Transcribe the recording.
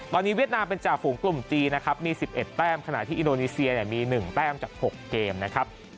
ตอนนี้เวียดนามเป็นจ่าฝูงกลุ่มจีนนะครับมี๑๑แต้มขณะที่อินโดนีเซียเนี่ยมี๑แต้มจาก๖เกมนะครับ